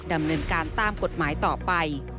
ดำเนินการตามกฎหมายต่อไป